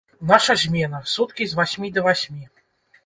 Наша змена, суткі з васьмі да васьмі.